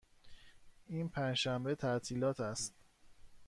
این پنج شنبه تعطیلات است.